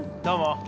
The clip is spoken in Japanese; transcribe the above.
どうも。